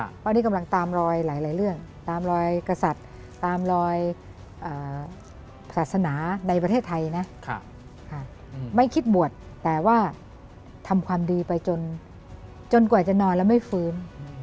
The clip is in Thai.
เพราะนี่กำลังตามรอยหลายเรื่องตามรอยกษัตริย์ตามรอยศาสนาในประเทศไทยนะไม่คิดบวชแต่ว่าทำความดีไปจนกว่าจะนอนแล้วไม่ฟื้น